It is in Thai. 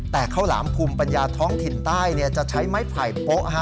แต่ข้าวหลามภูมิปัญญาท้องถิ่นใต้จะใช้ไม้ไผ่โป๊ะ